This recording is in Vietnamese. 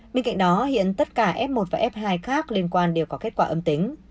bên cạnh đó hiện tất cả f một và f hai khác liên quan đều có kết quả âm tính